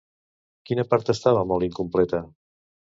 Quina part estava molt incompleta?